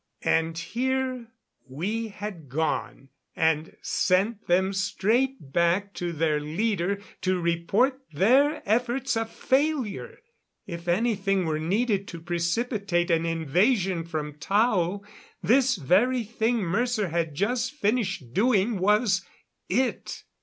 And here we had gone and sent them straight back to their leader to report their efforts a failure! If anything were needed to precipitate an invasion from Tao, this very thing Mercer had just finished doing was it.